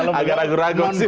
nah itu agak ragu ragu sih